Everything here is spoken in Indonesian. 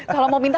kalau mau minta